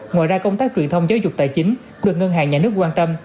ngoài ra công tác truyền thông giáo dục tài chính được ngân hàng nhà nước quan tâm